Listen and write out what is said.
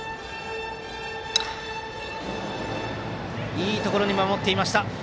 いいところで守っていました。